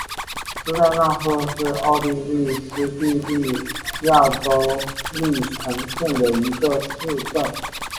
施泰纳赫是奥地利施蒂利亚州利岑县的一个市镇。